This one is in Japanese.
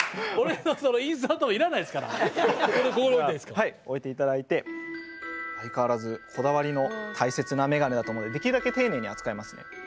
はい置いていただいて相変わらずこだわりの大切なメガネだと思うのでできるだけ丁寧に扱いますね。